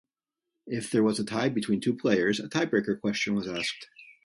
If there was a tie between two players, a tie-breaker question was asked.